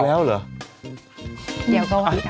ดื่มน้ำก่อนสักนิดใช่ไหมคะคุณพี่